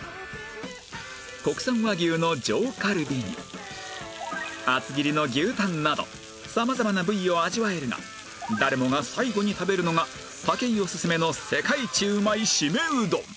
国産和牛の上カルビに厚切りの牛タンなど様々な部位を味わえるが誰もが最後に食べるのが武井おすすめの世界一うまいシメうどん